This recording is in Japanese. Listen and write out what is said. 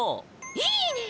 いいねえ！